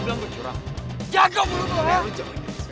tidak ada apa apa